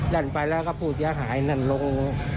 แร่นไปแล้วก็พูดอย่าหายนั่นลง